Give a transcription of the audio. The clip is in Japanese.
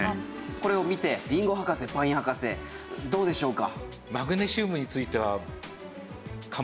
これを見てりんご博士パイン博士どうでしょうか？